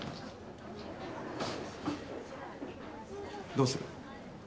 どうする？